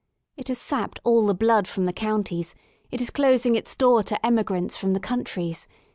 It has sapped all the blood from the counties \ it is closing its doors to emigrants from the countries.